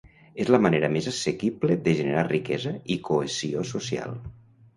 És la manera més assequible de generar riquesa i cohesió social.